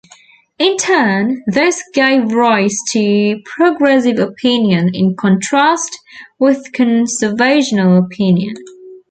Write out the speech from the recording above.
In turn, this gave rise to progressive opinion, in contrast with conservational opinion.